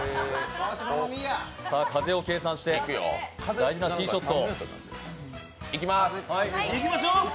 風を計算して、大事なティーショット。